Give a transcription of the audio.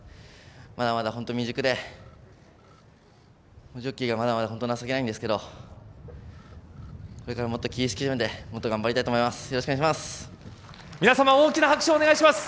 まだまだ本当、未熟でジョッキーが、まだまだ本当に情けないんですけどこれからもっと気を引き締めてもっと頑張りたいのでよろしくお願いいたします。